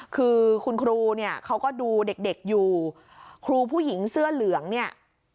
คือคุณครูเนี่ยเขาก็ดูเด็กเด็กอยู่ครูผู้หญิงเสื้อเหลืองเนี่ย